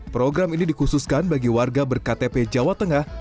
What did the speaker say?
program ini dikhususkan bagi warga berktp jawa tengah